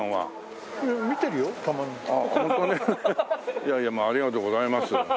いやいやまあありがとうございます。